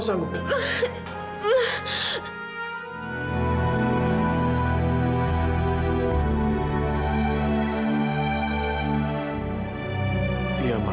anda ga akan dipunyai